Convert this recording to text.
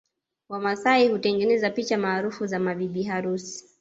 Wamasai hutengeneza picha maarufu za mabibi harusi